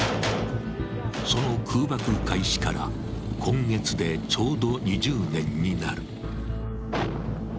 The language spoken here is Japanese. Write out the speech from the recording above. その空爆開始から今月でちょうど２０年になる。